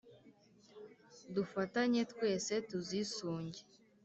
dufatanye twese tuzisunge